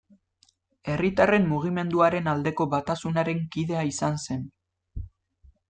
Herritarren Mugimenduaren Aldeko Batasunaren kidea izan zen.